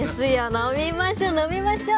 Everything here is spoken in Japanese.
飲みましょう飲みましょう。